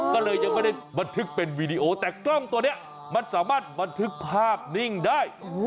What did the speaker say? ก็เลยยังไม่ได้บันทึกเป็นวีดีโอแต่กล้องตัวนี้มันสามารถบันทึกภาพนิ่งได้